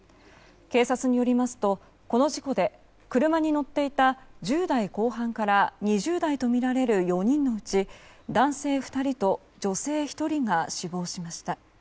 警察によりますと、この事故で車に乗っていた１０代後半から２０代とみられる４人のうち男性２人と女性１人が死亡しました。